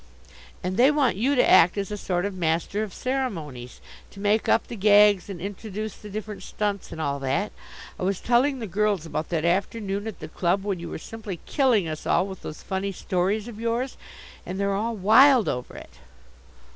"And they want you to act as a sort of master of ceremonies, to make up the gags and introduce the different stunts and all that. I was telling the girls about that afternoon at the club, when you were simply killing us all with those funny stories of yours, and they're all wild over it."